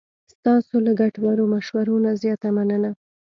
ستاسو له ګټورو مشورو نه زیاته مننه.